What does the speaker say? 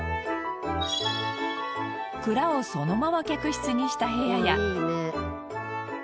蔵をそのまま客室にした部屋や。